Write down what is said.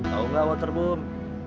tahu nggak waterboom